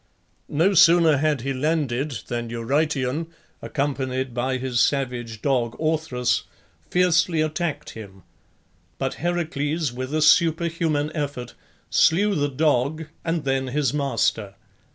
No sooner had he landed than Eurytion, accompanied by his savage dog Orthrus, fiercely attacked him; but Heracles, with a superhuman effort, slew the dog and then his master.